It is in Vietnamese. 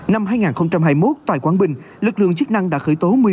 năm hai nghìn hai mươi một tại quảng bình lực lượng chức năng đã khởi tố